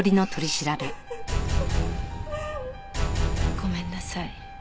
「ごめんなさい。